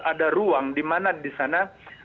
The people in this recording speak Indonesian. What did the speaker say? ada ruang dimana disana